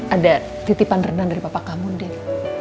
ada titipan renang dari papa kamu deh